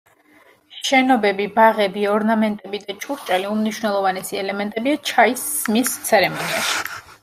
შენობები, ბაღები, ორნამენტები და ჭურჭელი უმნიშვნელოვანესი ელემენტებია ჩაის სმის ცერემონიაში.